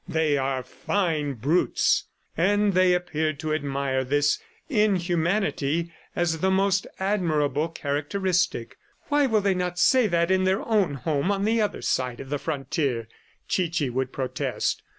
They are fine brutes!" And they appeared to admire this inhumanity as the most admirable characteristic. "Why will they not say that in their own home on the other side of the frontier?" Chichi would protest.